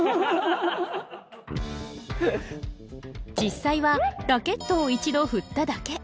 実際はラケットを一度振っただけ。